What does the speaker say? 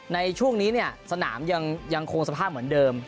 ในช่วงนี้เนี่ยสนามยังคงสภาพเหมือนเดิม